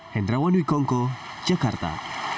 hendrawan wikongo jakarta